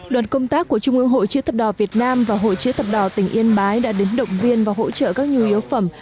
đoàn công tác của trung ương hội chia thập đỏ việt nam và hội chữ thập đỏ tỉnh yên bái đã đến động viên và hỗ trợ các nhu yếu phẩm